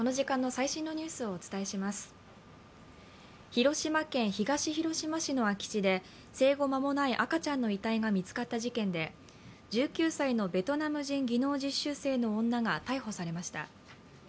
広島県東広島市の空き地で生後間もない赤ちゃんの遺体が見つかった事件で、１９歳のベトナム人技能実習生の女が逮捕されました。